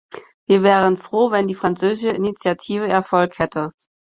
Wir wären froh, wenn die französische Initiative Erfolg hätte.